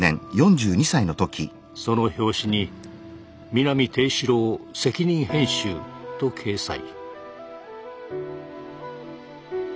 その表紙に「南定四郎責任編集」と掲載。